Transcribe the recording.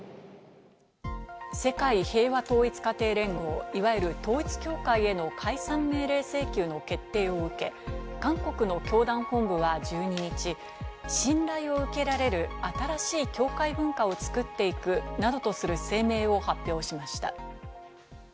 世界平和統一家庭連合いわゆる統一教会への解散命令請求の決定を受け、韓国の教団本部は１２日、信頼を受けられる新しい教会文化を作っていくなどとする声明を発表しました。